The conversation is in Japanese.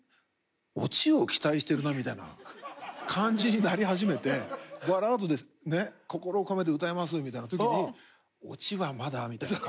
オチを期待してるなみたいな感じになり始めてバラードでね「心を込めて歌います」みたいな時に「オチはまだ？」みたいな感じですからね。